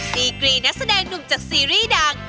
ดีกรีนักแสดงหนุ่มจากซีรีส์ดัง